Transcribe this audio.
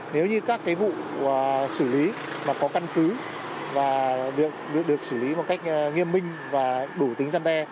nếu như các vụ xử lý mà có căn cứ và được xử lý một cách nghiêm minh và đủ tính gian đe